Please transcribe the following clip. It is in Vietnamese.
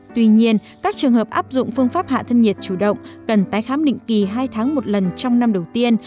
tuy nhiên các trường hợp áp dụng phương pháp hạ thân nhiệt chủ động cần tái khám định kỳ hai tháng một lần trong năm đầu tiên